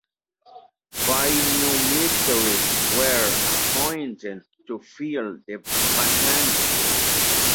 Five new ministers were appointed to fill the vacancies.